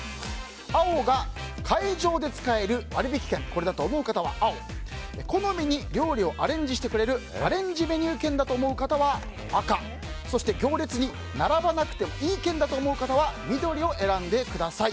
青が会場で使える割引券好みに料理をアレンジしてくれるアレンジメニュー券だと思う方は赤そして、行列に並ばなくていい券だと思う方は緑を選んでください。